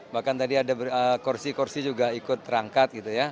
bahkan tadi ada kursi kursi juga ikut terangkat